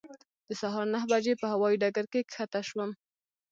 د سهار نهه بجې په هوایي ډګر کې کښته شوم.